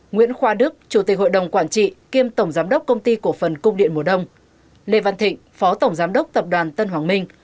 nguyễn khoa đức chủ tịch hội đồng quản trị kiêm tổng giám đốc công ty cổ phần cung điện mùa đông lê văn thịnh phó tổng giám đốc tập đoàn tân hoàng minh